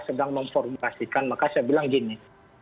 sedang memformulasikan maka saya bilang gini